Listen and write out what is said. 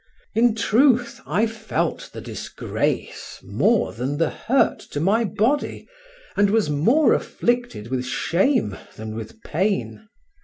In truth I felt the disgrace more than the hurt to my body, and was more afflicted with shame than with pain.